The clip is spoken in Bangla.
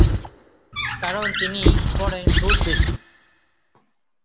কারণ তিনি "পড়েন খুব বেশি"।